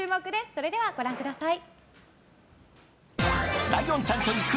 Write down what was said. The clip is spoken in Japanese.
それではご覧ください。